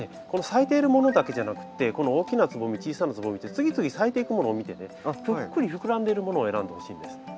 この咲いているものだけじゃなくてこの大きなつぼみ小さなつぼみって次々咲いていくものを見てねぷっくり膨らんでいるものを選んでほしいんです。